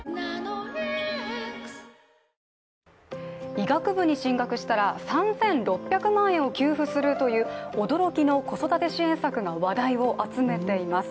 医学部に進学したら３６００万円を給付するという驚きの子育て支援策が話題を集めています。